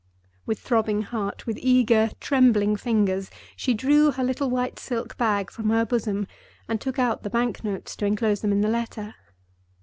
With throbbing heart, with eager, trembling fingers, she drew her little white silk bag from her bosom and took out the banknotes to inclose them in the letter.